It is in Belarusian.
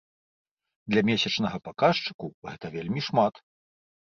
Для месячнага паказчыку гэта вельмі шмат.